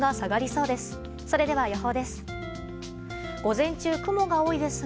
それでは、予報です。